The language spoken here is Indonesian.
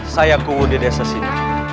saya kumuh di desa sini